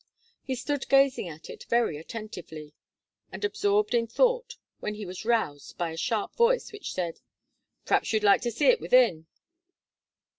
He stood gazing at it very attentively, and absorbed in thought, when he was roused by a sharp voice, which said, "P'raps you'd like to see it within."